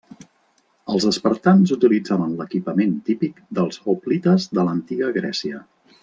Els espartans utilitzaven l'equipament típic dels hoplites de l'Antiga Grècia.